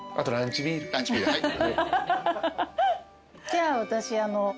じゃあ私。